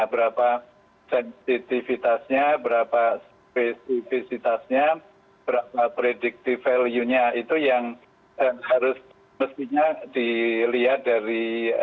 berapa sensitivitasnya berapa spesifisitasnya berapa predictive value nya itu yang harus mestinya dilihat dari